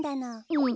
うん。